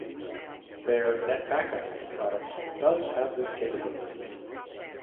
Their NetBackup product does have this capability.